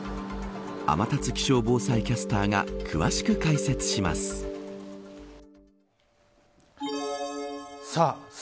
天達気象防災キャスターが詳しく解説します。